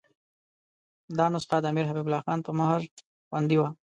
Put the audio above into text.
دا نسخه د امیر حبیب الله خان په مهر خوندي وه.